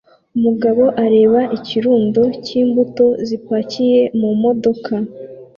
Umugabo areba ikirundo cy'imbuto zipakiye mu modoka